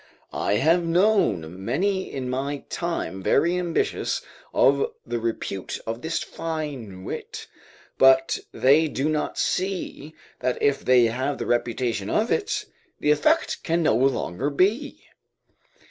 I have known many in my time very ambitious of the repute of this fine wit; but they do not see that if they have the reputation of it, the effect can no longer be.